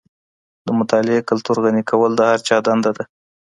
د مطالعې کلتور غني کول د هر چا دنده ده.